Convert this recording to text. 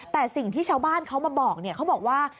แต่สิ่งที่ชาวบ้านเขามาบอกเขาบอกว่า